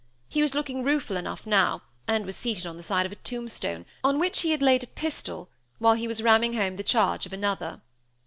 He was looking rueful enough now, and was seated on the side of a tombstone, on which he had laid a pistol, while he was ramming home the charge of another.